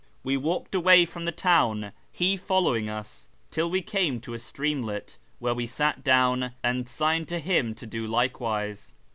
We walked away from the town, he following us, till we came to a streamlet, where we sat down and signed to him to do likewise.